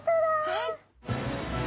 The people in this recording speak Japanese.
はい。